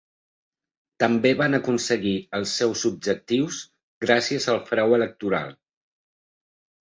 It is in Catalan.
També van aconseguir els seus objectius gràcies al frau electoral.